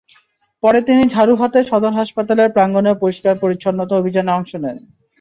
পরে তিনি ঝাড়ু হাতে সদর হাসপাতালের প্রাঙ্গণে পরিষ্কার-পরিচ্ছন্নতা অভিযানে অংশ নেন।